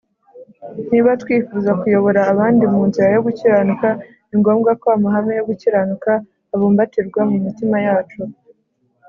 niba twifuza kuyobora abandi mu nzira yo gukiranuka, ni ngombwa ko amahame yo gukiranuka abumbatirwa mu mitima yacu